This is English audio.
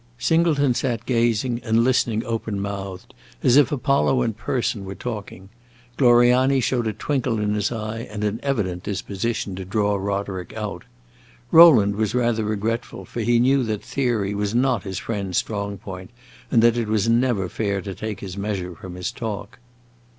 Singleton sat gazing and listening open mouthed, as if Apollo in person were talking. Gloriani showed a twinkle in his eye and an evident disposition to draw Roderick out. Rowland was rather regretful, for he knew that theory was not his friend's strong point, and that it was never fair to take his measure from his talk.